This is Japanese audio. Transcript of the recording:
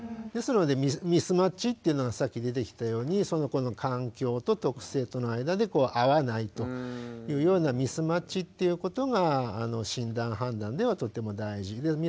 ですのでミスマッチっていうのがさっき出てきたようにその子の環境と特性との間で合わないというようなミスマッチということが診断判断ではとても大事で。